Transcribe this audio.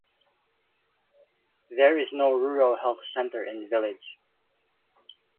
There is no Rural Health Centre in village.